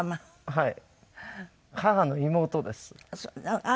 はい。